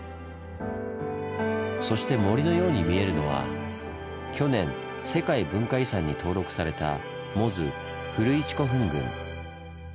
そして森のように見えるのは去年世界文化遺産に登録された更に。